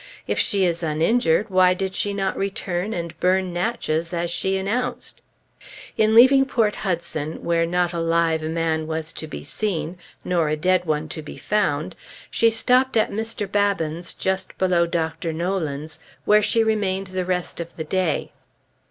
If she is uninjured, why did she not return and burn Natchez as she announced? In leaving Port Hudson, where "not a live man was to be seen" (nor a dead one to be found), she stopped at Mr. Babin's, just below Dr. Nolan's, where she remained the rest of the day.